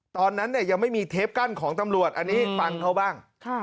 ตอนนั้นเนี่ยยังไม่มีเทปกั้นของตำรวจอันนี้ฟังเขาบ้าง